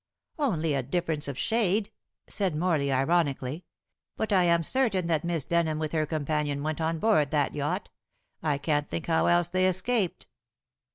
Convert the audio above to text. "Only a difference of shade," said Morley ironically. "But I am certain that Miss Denham with her companion went on board that yacht. I can't think how else they escaped."